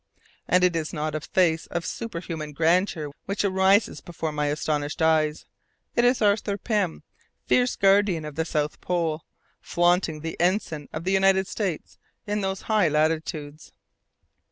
And it is not a face of superhuman grandeur which arises before my astonished eyes: it is Arthur Pym, fierce guardian of the south pole, flaunting the ensign of the United States in those high latitudes!